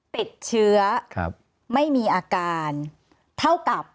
ติดเชื้อไม่มีอาการเท่ากับ